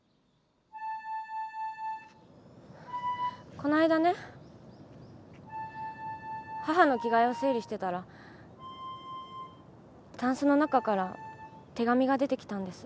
この間ね母の着替えを整理してたらタンスの中から手紙が出てきたんです。